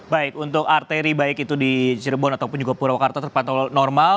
baik untuk arteri baik itu di cirebon ataupun juga purwakarta terpantau normal